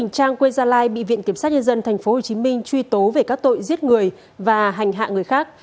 trang quê gia lai bị viện kiểm sát nhân dân tp hcm truy tố về các tội giết người và hành hạ người khác